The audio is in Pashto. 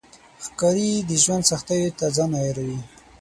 ښکاري د ژوند سختیو ته ځان عیاروي.